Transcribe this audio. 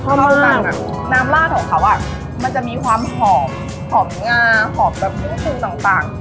ชอบมากน้ำราดของเขาอ่ะมันจะมีความหอมหอมงาหอมแบบขึ้นขึ้นต่างต่าง